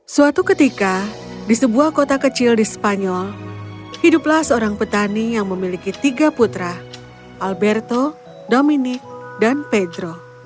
suatu ketika di sebuah kota kecil di spanyol hiduplah seorang petani yang memiliki tiga putra alberto domini dan pedro